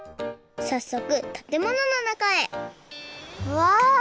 さっそくたてもののなかへうわ！